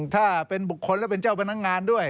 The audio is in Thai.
ถ้าเป็นบุคคลและเป็นเจ้าพนักงานด้วย